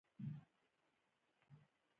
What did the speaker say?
غوټې څخه پنیر را وکاږه او ټوټې ټوټې یې کړ.